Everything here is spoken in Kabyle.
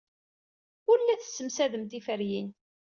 Ur la tessemsademt tiferyin.